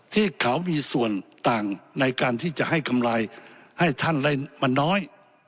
ที่เขามีส่วนต่างในการที่จะให้กำไรให้ท่านได้มันน้อย